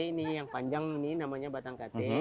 ini yang panjang nih namanya batang kate